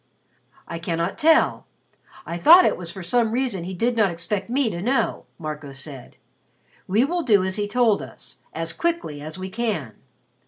"I cannot tell. I thought that it was for some reason he did not expect me to know," Marco said. "We will do as he told us. As quickly as we can."